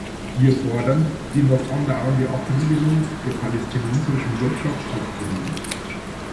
Wir fordern, die noch andauernde Abriegelung der palästinensischen Wirtschaft aufzuheben.